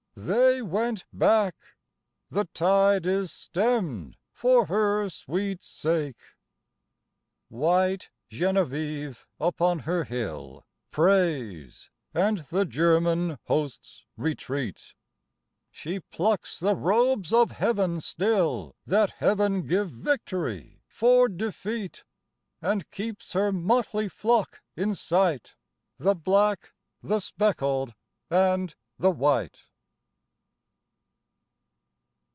" They went back. The tide is stemmed for her sweet sake. ' WHAT TURNED THE GERMANS BACK ?" 25 White Genevieve upon her hill Prays, and the German hosts retreat. She plucks the Robes of Heaven still That Heaven give victory for defeat ; And keeps her motley flock in sight, The black, the speckled and the white.